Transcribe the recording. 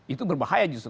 itu berbahaya justru